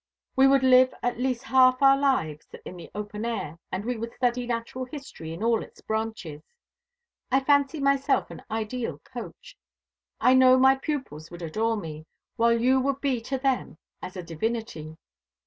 We would live at least half our lives in the open air, and we would study natural history in all its branches. I fancy myself an ideal coach. I know my pupils would adore me, while you would be to them as a divinity.